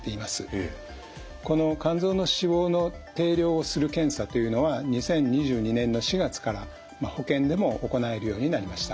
この肝臓の脂肪の定量をする検査というのは２０２２年の４月から保険でも行えるようになりました。